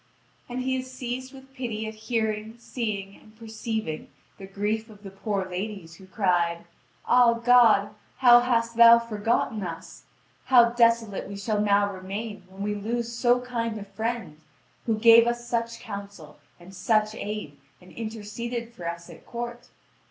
And he is seized with pity at hearing, seeing, and perceiving the grief of the poor ladies, who cried: "Ah, God, how hast Thou forgotten us! How desolate we shall now remain when we lose so kind a friend, who gave us such counsel and such aid, and interceded for us at court!